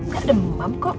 gak ada memam kok